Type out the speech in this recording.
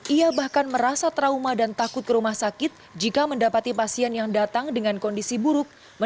ia bahkan merasa trauma dan takut ke rumah sakit jika mendapati pasien yang datang dengan kondisi buruk